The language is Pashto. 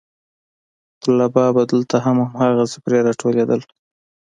طلبا به دلته هم هماغسې پرې راټولېدل.